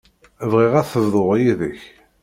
Bɣiɣ ad t-bḍuɣ yid-k.